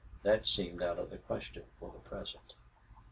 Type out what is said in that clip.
That seemed out of the question for the present.